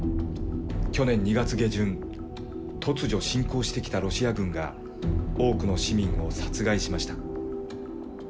去年２月下旬、突如侵攻してきたロシア軍が、多くの市民を殺害しました。